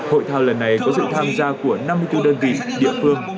hội thao lần này có sự tham gia của năm mươi bốn đơn vị địa phương